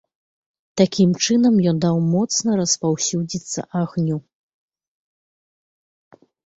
Такім чынам ён даў моцна распаўсюдзіцца агню.